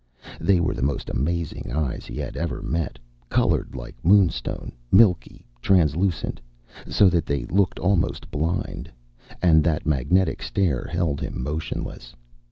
They were the most amazing eyes he had ever met, colored like moonstone, milkily translucent, so that they looked almost blind. And that magnetic stare held him motionless.